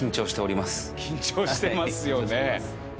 緊張してますよね。